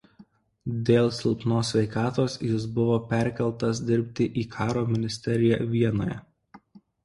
Dėl silpnos sveikatos jis buvo perkeltas dirbti į karo ministeriją Vienoje.